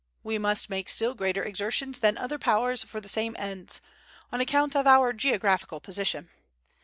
We must make still greater exertions than other Powers for the same ends, on account of our geographical position.